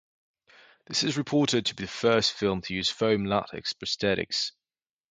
This is reported to be the first film to use foam latex prosthetics.